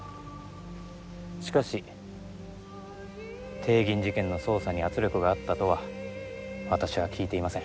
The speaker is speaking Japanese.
しかし帝銀事件の捜査に圧力があったとは私は聞いていません。